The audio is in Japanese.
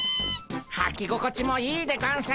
はきごこちもいいでゴンス。